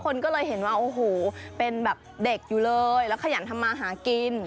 คนก็เลยเห็นว่าโอ้โหเป็นแบบเด็กอยู่เลยแล้วขยันทำมาหากิน